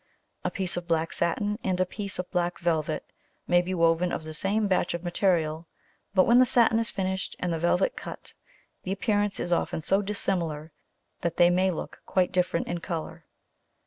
A piece of black satin and a piece of black velvet may be woven of the same batch of material, but when the satin is finished and the velvet cut, the appearance is often so dissimilar that they may look quite different in colour.